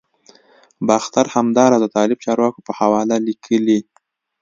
باختر همداراز د طالب چارواکو په حواله لیکلي